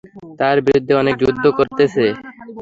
তার বিরুদ্ধে অনেক যুদ্ধ করেছে।